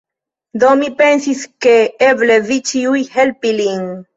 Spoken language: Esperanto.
Do, mi pensis, ke eble vi ĉiuj helpi lin